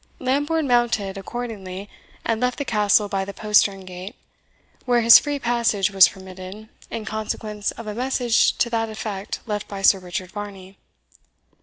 Lambourne mounted, accordingly, and left the Castle by the postern gate, where his free passage was permitted, in consequence of a message to that effect left by Sir Richard Varney.